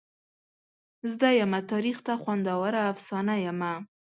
زده یمه تاریخ ته خوندوره افسانه یمه.